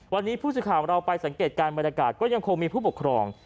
วันนี้ผู้สื่อข่าวของเราไปสังเกตการณ์บรรยากาศก็ยังคงมีผู้ปกครอง